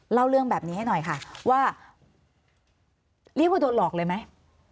เล่าเรื่องแบบนี้ให้หน่อยค่ะว่าเรียกว่าโดนหลอกเลยไหม